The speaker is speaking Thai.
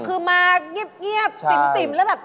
คือมาเงียบติ่มแล้วแบบ